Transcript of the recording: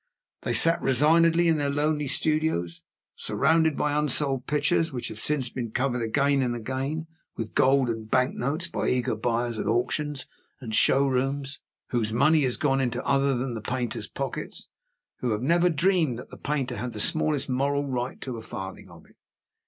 They sat resignedly in their lonely studios, surrounded by unsold pictures which have since been covered again and again with gold and bank notes by eager buyers at auctions and show rooms, whose money has gone into other than the painter's pockets who have never dreamed that the painter had the smallest moral right to a farthing of it.